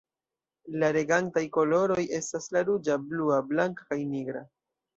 La regantaj koloroj estas la ruĝa, blua, blanka kaj nigra.